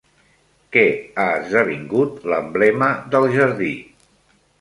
Què ha esdevingut l'emblema del jardí?